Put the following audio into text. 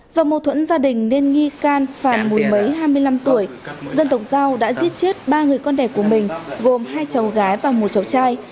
do mâu thuẫn gia đình nên nghi can phàn mùi mấy hai mươi năm tuổi dân tộc giao đã giết chết ba người con đẻ của mình gồm hai cháu gái và một cháu trai